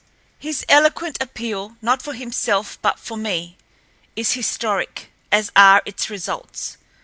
His eloquent appeal—not for himself, but for me—is historic, as are its results.